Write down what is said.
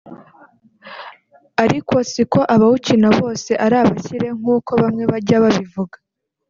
ariko siko abawukina bose ari abakire nk’uko bamwe bajya babivuga